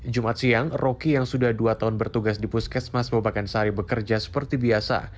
jumat siang roky yang sudah dua tahun bertugas di puskesmas babakensari bekerja seperti biasa